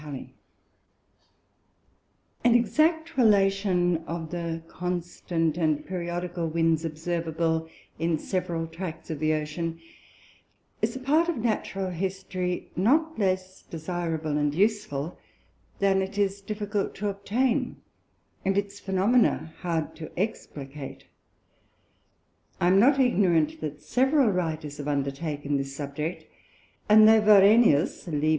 Halley_._ An exact Relation of the constant and periodical Winds, observable in several Tracts of the Ocean, is a part of Natural History not less desireable and useful, than it is difficult to obtain, and its Phænomena hard to explicate: I am not ignorant that several Writers have undertaken this Subject, and although Varenius (_Lib.